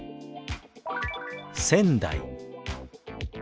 「仙台」。